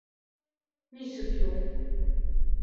— Нисек юҡ?